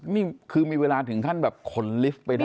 นี่คือมีเวลาถึงขั้นแบบขนลิฟต์ไปด้วย